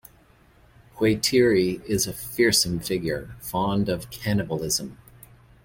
Whaitiri is a fearsome figure, fond of cannibalism.